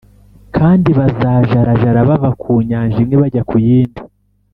Kandi bazajarajara bava ku nyanja imwe bajya ku yindi